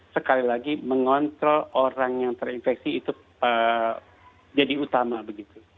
sekali lagi mengontrol orang yang terinfeksi itu jadi utama begitu